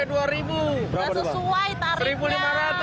nggak sesuai tarifnya